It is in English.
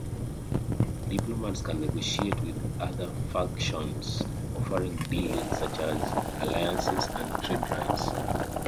Diplomats can negotiate with other factions, offering deals such as alliances and trade rights.